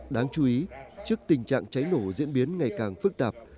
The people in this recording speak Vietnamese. đáng chú ý trước tình trạng cháy nổ diễn biến ngày càng phức tạp